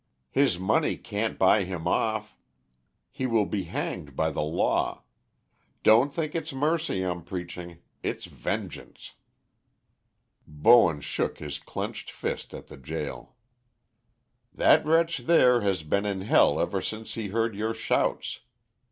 His money can't buy him off. He will be hanged by the law. Don't think it's mercy I'm preaching; it's vengeance!" Bowen shook his clenched fist at the gaol. "That wretch there has been in hell ever since he heard your shouts.